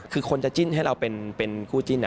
คือคนจะจิ้นให้เราเป็นคู่จิ้น